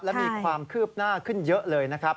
และมีความคืบหน้าขึ้นเยอะเลยนะครับ